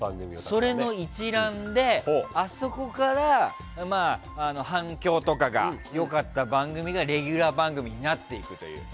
それの一覧であそこから反響とかが良かった番組がレギュラー番組になっていくという。